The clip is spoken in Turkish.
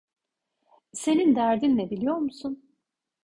Senin derdin ne biliyor musun?